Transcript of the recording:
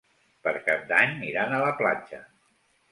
Per Cap d'Any iran a la platja.